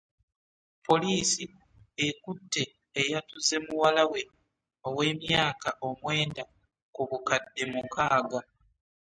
Poliisi ekutte eyatuze muwala we ow'emyaka omwenda ku bukadde mukaaga.